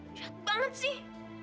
syahat banget sih